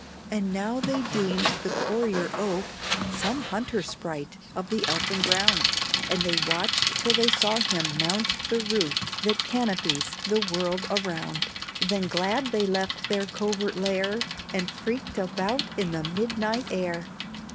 And now they deemed the courier ouphe, Some hunter sprite of the elfin ground; And they watched till they saw him mount the roof That canopies the world around; Then glad they left their covert lair, And freaked about in the midnight air.